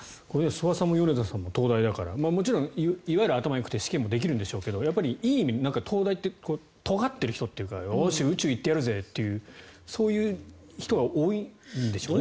諏訪さんも米田さんも東大だからもちろん、いわゆる頭もよくて試験もできるんでしょうけどいい意味で東大ってとがってる人っていうかよし、宇宙行ってやるぜっていうそういう人が多いんでしょうね。